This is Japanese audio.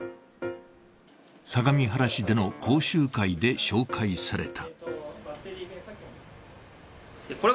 相模原市での講習会で紹介された。